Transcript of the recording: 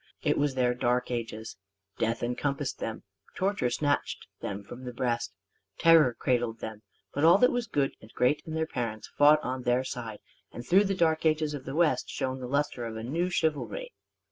It was their Dark Ages. Death encompassed them. Torture snatched them from the breast. Terror cradled them. But all that was good and great in their parents fought on their side; and through the Dark Ages of the West shone the lustre of a new chivalry.